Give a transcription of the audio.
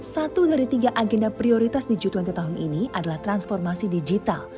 satu dari tiga agenda prioritas di g dua puluh tahun ini adalah transformasi digital